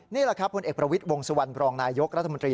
นี่แหละครับผลเอกประวิทย์วงสุวรรณบรองนายยกรัฐมนตรี